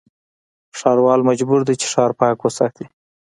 ښاروال مجبور دی چې، ښار پاک وساتي.